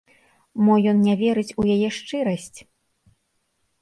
Мо ён не верыць у яе шчырасць?